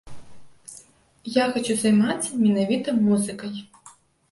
Я хачу займацца менавіта музыкай.